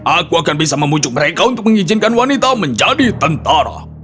aku akan bisa memujuk mereka untuk mengizinkan wanita menjadi tentara